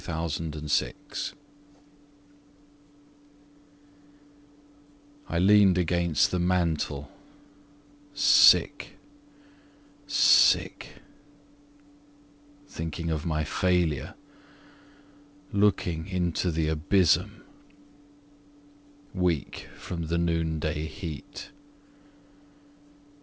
Harold Arnett I leaned against the mantel, sick, sick, Thinking of my failure, looking into the abysm, Weak from the noon day heat.